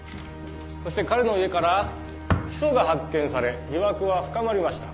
そして彼の家からヒ素が発見され疑惑は深まりました。